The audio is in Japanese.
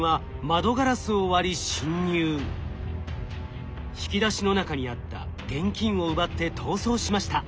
犯人は引き出しの中にあった現金を奪って逃走しました。